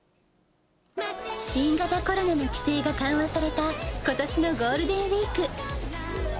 新型コロナの規制が緩和されたことしのゴールデンウィーク。